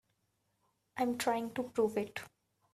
I'm trying to prove it.